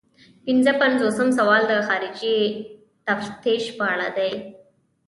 پنځه پنځوسم سوال د خارجي تفتیش په اړه دی.